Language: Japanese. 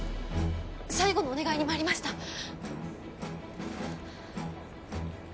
最後のお願いに参りました。